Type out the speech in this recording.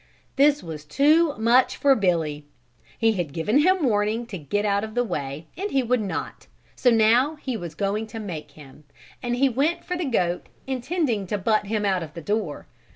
This was too much for Billy. He had given him warning to get out of the way and he would not, so now he was going to make him, and he went for the goat intending to butt him out of the door.